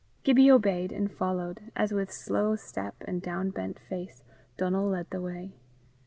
Gibbie obeyed, and followed, as, with slow step and downbent face, Donal led the way.